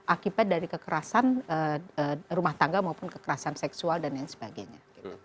akibat dari kekerasan rumah tangga maupun kekerasan seksual dan lain sebagainya